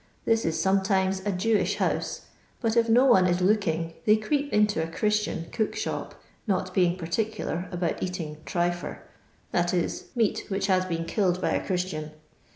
This is sometimes a Jewish house, but if no one is looking they creep into a Christian ' cook shop,' not being particular about eating ' tryfcr' — that is, meat which has been killed by a Christian.